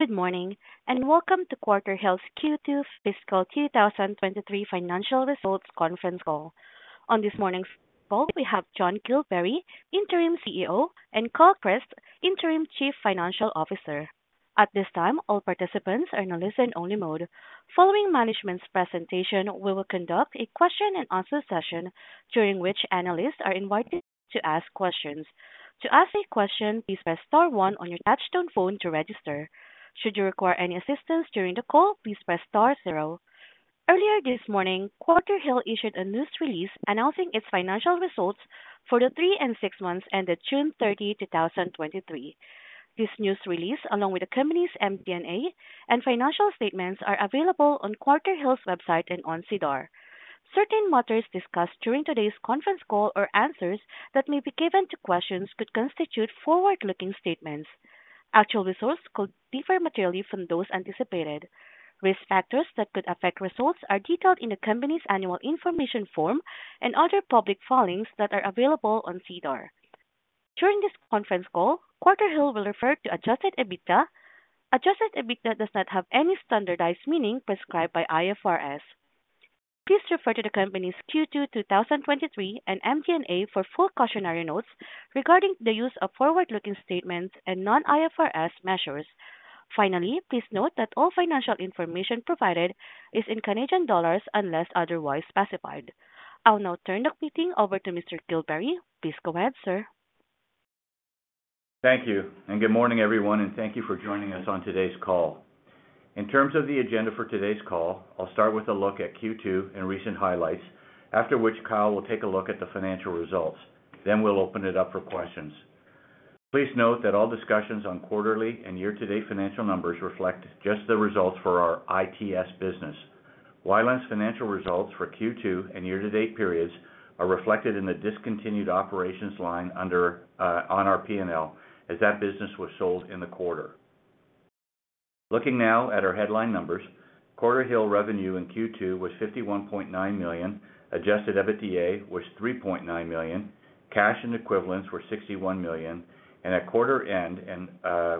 Good morning, and welcome to Quarterhill's Q2 Fiscal 2023 financial results conference call. On this morning's call, we have John Gillberry, Interim CEO, and Kyle P.C. Hall, Interim Chief Financial Officer. At this time, all participants are in a listen-only mode. Following management's presentation, we will conduct a question and answer session, during which analysts are invited to ask questions. To ask a question, please press star one on your touchtone phone to register. Should you require any assistance during the call, please press star zero. Earlier this morning, Quarterhill issued a news release announcing its financial results for the three and six months ended 30th June 2023. This news release, along with the company's MD&A and financial statements, are available on Quarterhill's website and on SEDAR. Certain matters discussed during today's conference call or answers that may be given to questions could constitute forward-looking statements. Actual results could differ materially from those anticipated. Risk factors that could affect results are detailed in the company's annual information form and other public filings that are available on SEDAR. During this conference call, Quarterhill will refer to Adjusted EBITDA. Adjusted EBITDA does not have any standardized meaning prescribed by IFRS. Please refer to the company's Q2 2023 and MD&A for full cautionary notes regarding the use of forward-looking statements and non-IFRS measures. Finally, please note that all financial information provided is in Canadian dollars, unless otherwise specified. I'll now turn the meeting over to Mr. Gillberry. Please go ahead, sir. Thank you, good morning, everyone, and thank you for joining us on today's call. In terms of the agenda for today's call, I'll start with a look at Q2 and recent highlights, after which Kyle will take a look at the financial results. We'll open it up for questions. Please note that all discussions on quarterly and year-to-date financial numbers reflect just the results for our ITS business. WiLAN's financial results for Q2 and year-to-date periods are reflected in the discontinued operations line under on our P&L, as that business was sold in the quarter. Looking now at our headline numbers, Quarterhill revenue in Q2 was 51.9 million, Adjusted EBITDA was 3.9 million, cash and equivalents were 61 million, and at quarter end,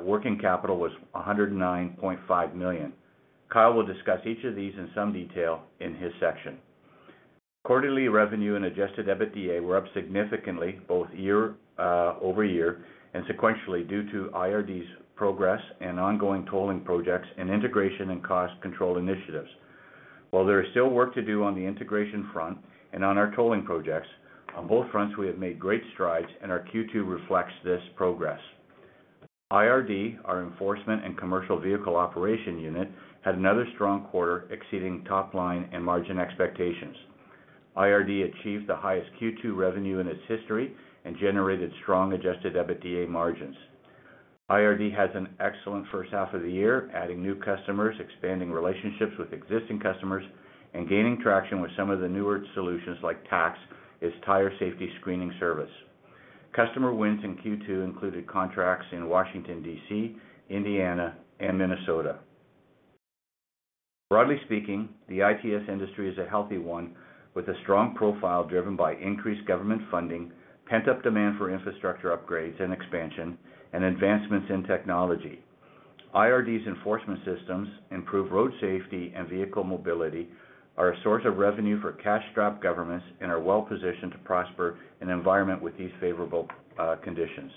working capital was 109.5 million. Kyle will discuss each of these in some detail in his section. Quarterly revenue and Adjusted EBITDA were up significantly, both year-over-year and sequentially, due to IRD's progress and ongoing tolling projects and integration and cost control initiatives. While there is still work to do on the integration front and on our tolling projects, on both fronts we have made great strides and our Q2 reflects this progress. IRD, our enforcement and commercial vehicle operation unit, had another strong quarter, exceeding top line and margin expectations. IRD achieved the highest Q2 revenue in its history and generated strong Adjusted EBITDA margins. IRD has an excellent first half of the year, adding new customers, expanding relationships with existing customers, and gaining traction with some of the newer solutions like TACS, its tire safety screening service. Customer wins in Q2 included contracts in Washington, D.C., Indiana, and Minnesota. Broadly speaking, the ITS industry is a healthy one, with a strong profile driven by increased government funding, pent-up demand for infrastructure upgrades and expansion, and advancements in technology. IRD's enforcement systems improve road safety and vehicle mobility, are a source of revenue for cash-strapped governments, and are well-positioned to prosper in an environment with these favorable conditions.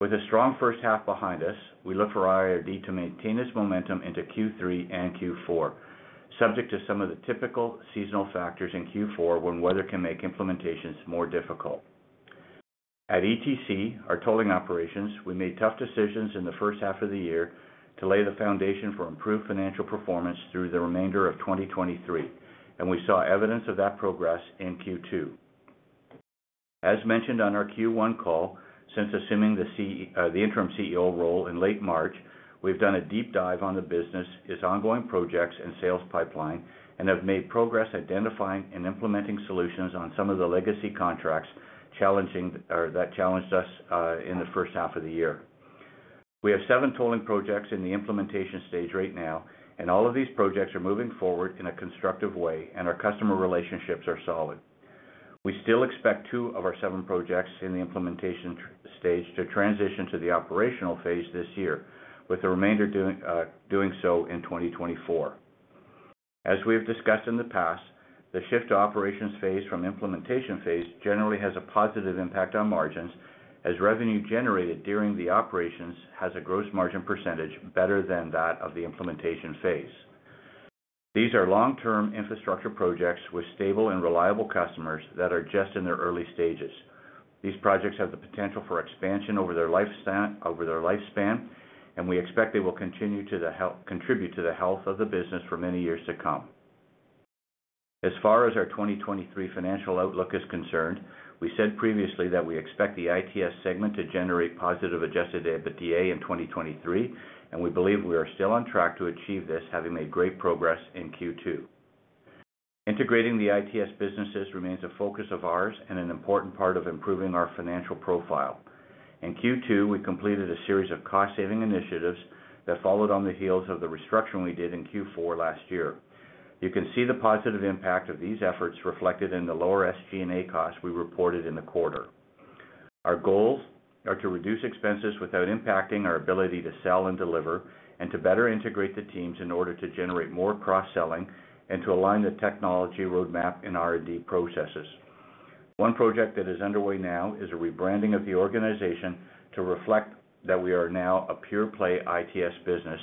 With a strong first half behind us, we look for IRD to maintain its momentum into Q3 and Q4, subject to some of the typical seasonal factors in Q4, when weather can make implementations more difficult. At ETC, our tolling operations, we made tough decisions in the first half of the year to lay the foundation for improved financial performance through the remainder of 2023, and we saw evidence of that progress in Q2. As mentioned on our Q1 call, since assuming the Interim CEO role in late March, we've done a deep dive on the business, its ongoing projects and sales pipeline, and have made progress identifying and implementing solutions on some of the legacy contracts challenging... or that challenged us in the first half of the year. We have seven tolling projects in the implementation stage right now, and all of these projects are moving forward in a constructive way, and our customer relationships are solid. We still expect two of our seven projects in the implementation stage to transition to the operational phase this year, with the remainder doing so in 2024. As we have discussed in the past, the shift to operations phase from implementation phase generally has a positive impact on margins, as revenue generated during the operations has a gross margin percentage better than that of the implementation phase. These are long-term infrastructure projects with stable and reliable customers that are just in their early stages. These projects have the potential for expansion over their lifespan, we expect they will continue to contribute to the health of the business for many years to come. As far as our 2023 financial outlook is concerned, we said previously that we expect the ITS segment to generate positive Adjusted EBITDA in 2023, we believe we are still on track to achieve this, having made great progress in Q2. Integrating the ITS businesses remains a focus of ours and an important part of improving our financial profile. In Q2, we completed a series of cost-saving initiatives that followed on the heels of the restructuring we did in Q4 last year. You can see the positive impact of these efforts reflected in the lower SG&A costs we reported in the quarter. Our goals are to reduce expenses without impacting our ability to sell and deliver, and to better integrate the teams in order to generate more cross-selling, and to align the technology roadmap and R&D processes. One project that is underway now is a rebranding of the organization to reflect that we are now a pure-play ITS business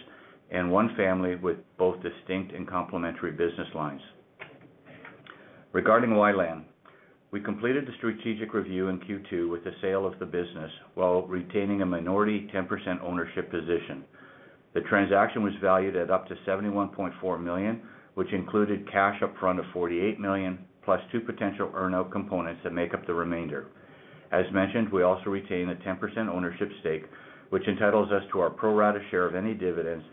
and one family with both distinct and complementary business lines. Regarding WiLAN, we completed the strategic review in Q2 with the sale of the business, while retaining a minority 10% ownership position. The transaction was valued at up to $71.4 million, which included cash upfront of $48 million, +2 potential earn-out components that make up the remainder. As mentioned, we also retain a 10% ownership stake, which entitles us to our pro rata share of any dividends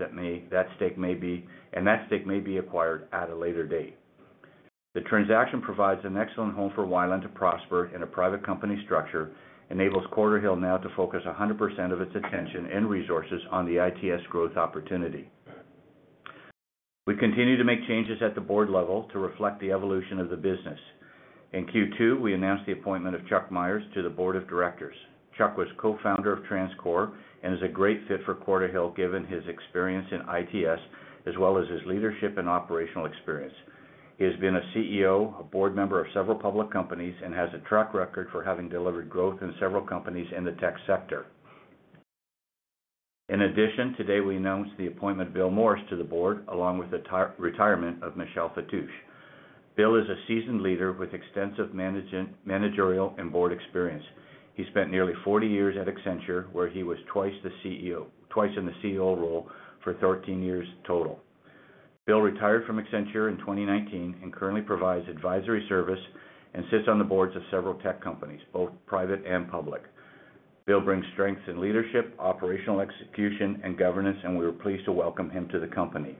that stake may be acquired at a later date. The transaction provides an excellent home for WiLAN to prosper in a private company structure, enables Quarterhill now to focus 100% of its attention and resources on the ITS growth opportunity. We continue to make changes at the board level to reflect the evolution of the business. In Q2, we announced the appointment of Chuck Myers to the board of directors. Chuck was co-founder of TransCore and is a great fit for Quarterhill, given his experience in ITS, as well as his leadership and operational experience. He has been a CEO, a board member of several public companies, and has a track record for having delivered growth in several companies in the tech sector. In addition, today, we announced the appointment of Bill Morris to the board, along with the retirement of Michel Fattouche. Bill is a seasoned leader with extensive managerial and board experience. He spent nearly 40 years at Accenture, where he was twice the CEO, twice in the CEO role, for 13 years total. Bill retired from Accenture in 2019, and currently provides advisory service and sits on the boards of several tech companies, both private and public. Bill brings strengths in leadership, operational execution, and governance, and we are pleased to welcome him to the company.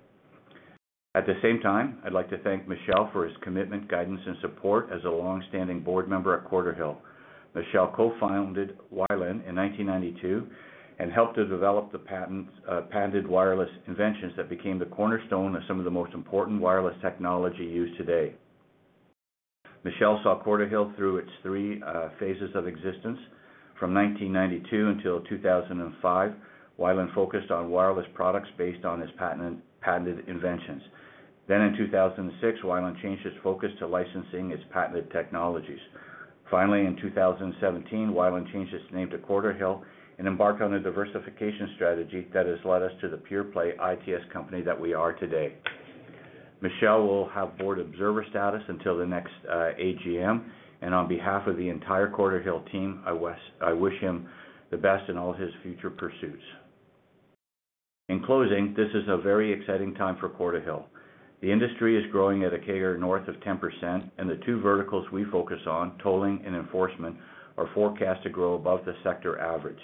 At the same time, I'd like to thank Michel for his commitment, guidance, and support as a long-standing board member at Quarterhill. Michel co-founded WiLAN in 1992 and helped to develop the patents, patented wireless inventions that became the cornerstone of some of the most important wireless technology used today. Michel saw Quarterhill through its three Phases of existence. From 1992 until 2005, WiLAN focused on wireless products based on its patent, patented inventions. In 2006, WiLAN changed its focus to licensing its patented technologies. Finally, in 2017, WiLAN changed its name to Quarterhill and embarked on a diversification strategy that has led us to the pure-play ITS company that we are today. Michel Fattouche will have board observer status until the next AGM, and on behalf of the entire Quarterhill team, I wish him the best in all his future pursuits. In closing, this is a very exciting time for Quarterhill. The industry is growing at a CAGR north of 10%, and the two verticals we focus on, tolling and enforcement, are forecast to grow above the sector average.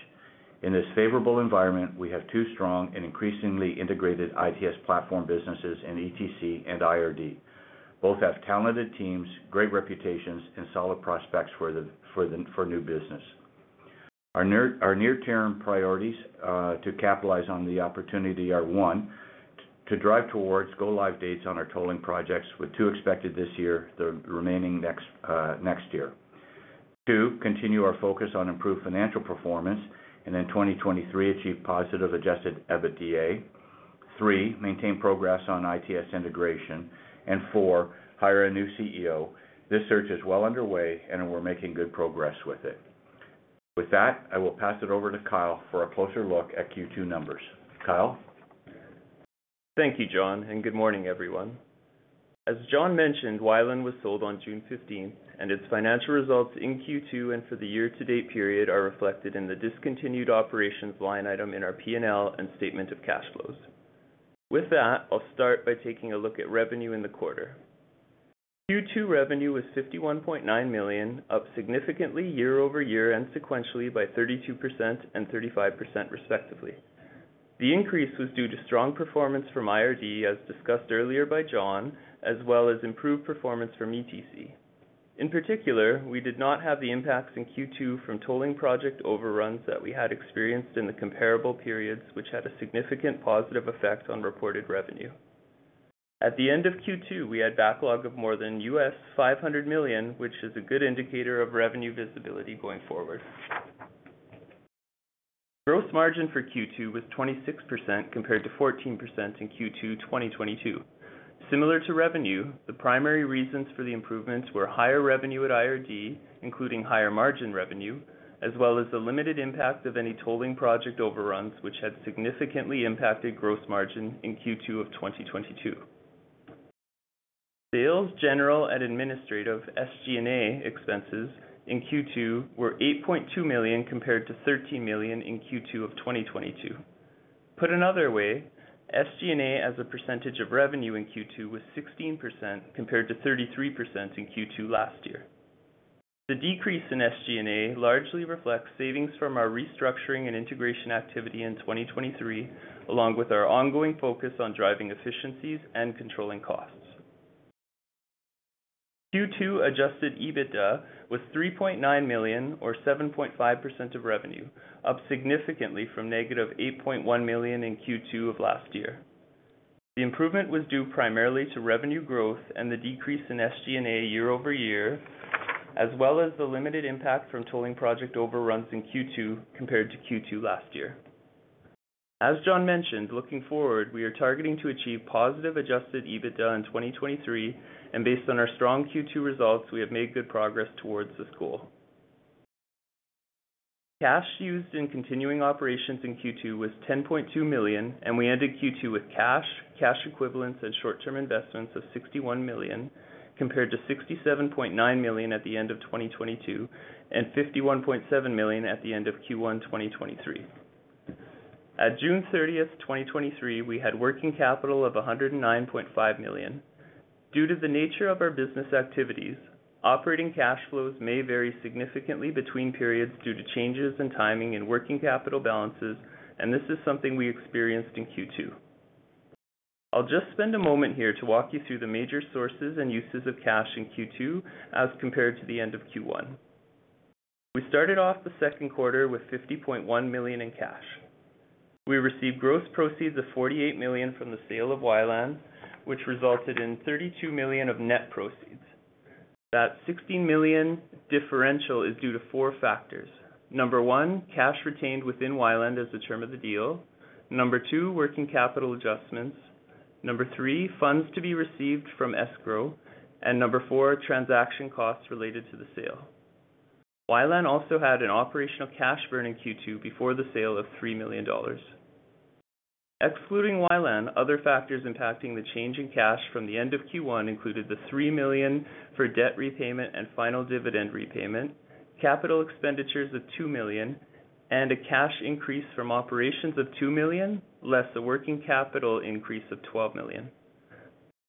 In this favorable environment, we have two strong and increasingly integrated ITS platform businesses in ETC and IRD. Both have talented teams, great reputations, and solid prospects for new business. Our near-term priorities to capitalize on the opportunity are, one, to drive towards go-live dates on our tolling projects, with two expected this year, the remaining next year. Two, continue our focus on improved financial performance, and in 2023, achieve positive Adjusted EBITDA. Three, maintain progress on ITS integration. Four, hire a new CEO. This search is well underway, and we're making good progress with it. With that, I will pass it over to Kyle for a closer look at Q2 numbers. Kyle? Thank you, John. Good morning, everyone. As John mentioned, WiLAN was sold on 15th June, its financial results in Q2 and for the year-to-date period are reflected in the discontinued operations line item in our P&L and statement of cash flows. With that, I'll start by taking a look at revenue in the quarter. Q2 revenue was $51.9 million, up significantly year-over-year and sequentially by 32% and 35% respectively. The increase was due to strong performance from IRD, as discussed earlier by John, as well as improved performance from ETC. In particular, we did not have the impacts in Q2 from tolling project overruns that we had experienced in the comparable periods, which had a significant positive effect on reported revenue. At the end of Q2, we had backlog of more than $500 million, which is a good indicator of revenue visibility going forward. Gross margin for Q2 was 26%, compared to 14% in Q2 2022. Similar to revenue, the primary reasons for the improvements were higher revenue at IRD, including higher-margin revenue, as well as the limited impact of any tolling project overruns, which had significantly impacted gross margin in Q2 of 2022. Sales, general, and administrative, SG&A, expenses in Q2 were $8.2 million, compared to $13 million in Q2 of 2022. Put another way, SG&A as a percentage of revenue in Q2 was 16%, compared to 33% in Q2 last year. The decrease in SG&A largely reflects savings from our restructuring and integration activity in 2023, along with our ongoing focus on driving efficiencies and controlling costs. Q2 Adjusted EBITDA was $3.9 million or 7.5% of revenue, up significantly from -$8.1 million in Q2 of last year. The improvement was due primarily to revenue growth and the decrease in SG&A year-over-year, as well as the limited impact from tolling project overruns in Q2 compared to Q2 last year. As John mentioned, looking forward, we are targeting to achieve positive Adjusted EBITDA in 2023, and based on our strong Q2 results, we have made good progress towards this goal. Cash used in continuing operations in Q2 was $10.2 million, and we ended Q2 with cash, cash equivalents and short-term investments of $61 million, compared to $67.9 million at the end of 2022 and $51.7 million at the end of Q1 2023. At June 30th, 2023, we had working capital of $109.5 million. Due to the nature of our business activities, operating cash flows may vary significantly between periods due to changes in timing and working capital balances, and this is something we experienced in Q2. I'll just spend a moment here to walk you through the major sources and uses of cash in Q2 as compared to the end of Q1. We started off the second quarter with $50.1 million in cash. We received gross proceeds of $48 million from the sale of WiLAN, which resulted in $32 million of net proceeds. That $16 million differential is due to four factors. one. cash retained within WiLAN as the term of the deal two working capital adjustments. Number three, funds to be received from escrow, and number four, transaction costs related to the sale. WiLAN also had an operational cash burn in Q2 before the sale of 3 million dollars. Excluding WiLAN, other factors impacting the change in cash from the end of Q1 included the 3 million for debt repayment and final dividend repayment, capital expenditures of 2 million, and a cash increase from operations of 2 million, less a working capital increase of 12 million.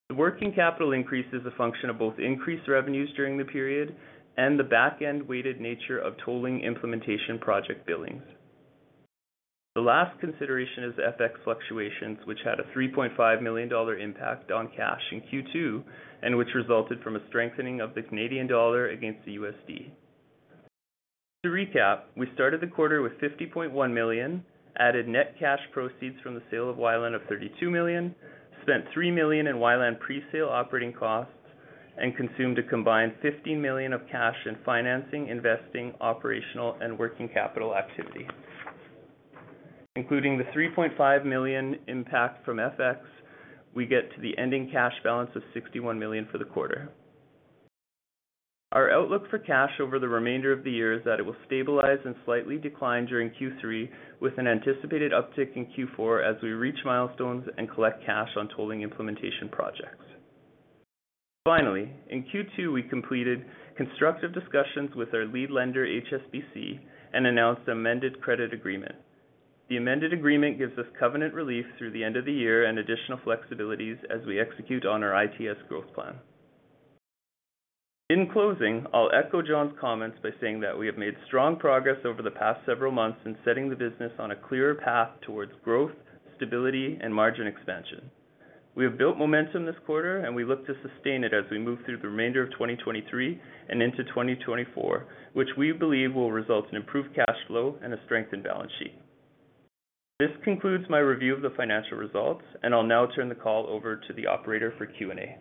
The working capital increase is a function of both increased revenues during the period and the back-end-weighted nature of tolling implementation project billings. The last consideration is FX fluctuations, which had a 3.5 million dollar impact on cash in Q2 and which resulted from a strengthening of the Canadian dollar against the USD. To recap, we started the quarter with $50.1 million, added net cash proceeds from the sale of WiLAN of $32 million, spent $3 million in WiLAN presale operating costs, and consumed a combined $15 million of cash in financing, investing, operational, and working capital activity. Including the $3.5 million impact from FX, we get to the ending cash balance of $61 million for the quarter. Our outlook for cash over the remainder of the year is that it will stabilize and slightly decline during Q3, with an anticipated uptick in Q4 as we reach milestones and collect cash on tolling implementation projects. Finally, in Q2, we completed constructive discussions with our lead lender, HSBC, and announced amended credit agreement. The amended agreement gives us covenant relief through the end of the year and additional flexibilities as we execute on our ITS growth plan. In closing, I'll echo John's comments by saying that we have made strong progress over the past several months in setting the business on a clearer path towards growth, stability, and margin expansion. We have built momentum this quarter, and we look to sustain it as we move through the remainder of 2023 and into 2024, which we believe will result in improved cash flow and a strengthened balance sheet. This concludes my review of the financial results, and I'll now turn the call over to the operator for Q&A.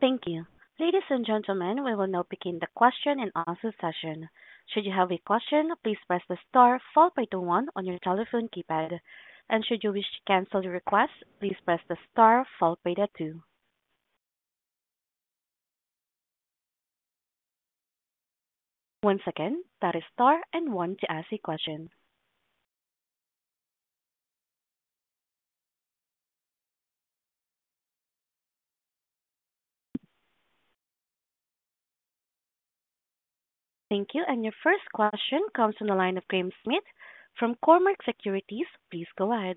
Thank you. Ladies and gentlemen, we will now begin the question and answer session. Should you have a question, please press the star followed by the one on your telephone keypad. Should you wish to cancel your request, please press the star followed by the two. Once again, that is star and one to ask a question. Thank you. Your first question comes from the line of Graham Smith from Cormark Securities. Please go ahead.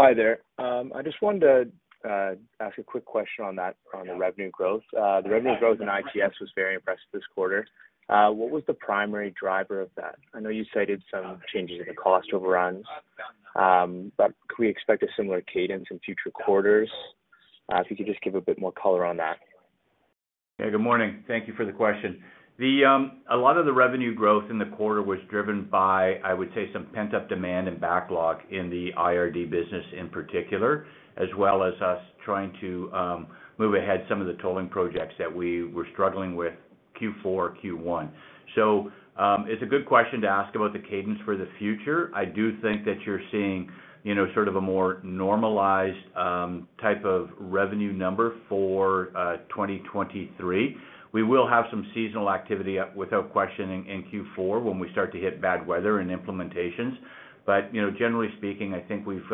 Hi there. I just wanted to ask a quick question on that, on the revenue growth. The revenue growth in ITS was very impressive this quarter. What was the primary driver of that? I know you cited some changes in the cost overruns, but can we expect a similar cadence in future quarters? If you could just give a bit more color on that. Hey, good morning. Thank you for the question. The, a lot of the revenue growth in the quarter was driven by, I would say, some pent-up demand and backlog in the IRD business in particular, as well as us trying to move ahead some of the tolling projects that we were struggling with Q4, Q1. It's a good question to ask about the cadence for the future. I do think that you're seeing, you know, sort of a more normalized type of revenue number for 2023. We will have some seasonal activity without question in Q4 when we start to hit bad weather and implementations. You know, generally speaking, I think we've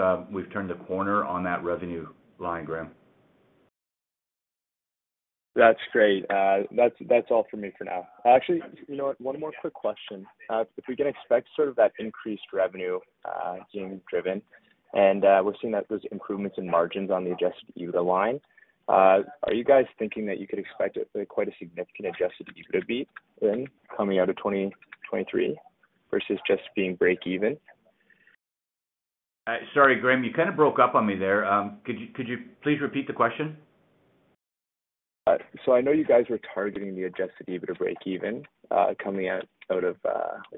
turned the corner on that revenue line, Graham. That's great. That's, that's all for me for now. Actually, you know what? One more quick question. If we can expect sort of that increased revenue, being driven, and, we're seeing that those improvements in margins on the Adjusted EBITDA line, are you guys thinking that you could expect quite a significant Adjusted EBITDA beat then, coming out of 2023 versus just being break even? Sorry, Graham, you kind of broke up on me there. Could you, could you please repeat the question? I know you guys were targeting the Adjusted EBITDA break even, coming out of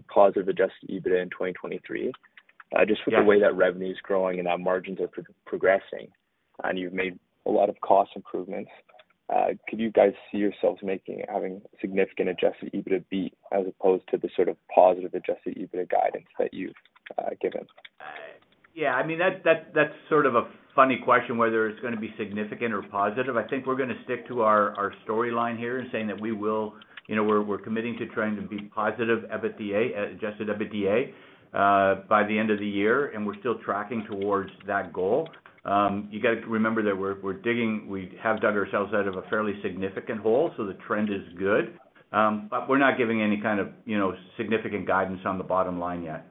positive Adjusted EBITDA in 2023. Just with the way- Yeah... that revenue is growing and our margins are progressing, and you've made a lot of cost improvements, could you guys see yourselves making, having significant Adjusted EBITDA beat, as opposed to the sort of positive Adjusted EBITDA guidance that you've, given? Yeah, I mean, that, that, that's sort of a funny question, whether it's gonna be significant or positive. I think we're gonna stick to our, our storyline here in saying that we will... You know, we're, we're committing to trying to be positive EBITDA, Adjusted EBITDA, by the end of the year, and we're still tracking towards that goal. You got to remember that we're, we're digging, we have dug ourselves out of a fairly significant hole, so the trend is good. But we're not giving any kind of, you know, significant guidance on the bottom line yet.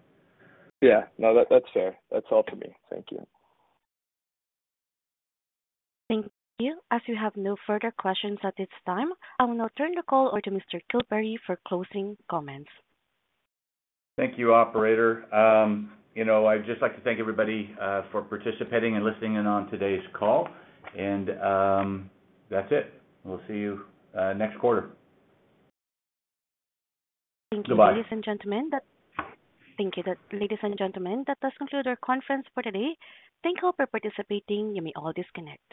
Yeah. No, that, that's fair. That's all for me. Thank you. Thank you. As you have no further questions at this time, I will now turn the call over to Mr. Gillberry for closing comments. Thank you, operator. You know, I'd just like to thank everybody for participating and listening in on today's call. That's it. We'll see you next quarter. Thank you. Bye-bye. Ladies and gentlemen. Thank you. Ladies and gentlemen, that does conclude our conference for today. Thank you all for participating. You may all disconnect.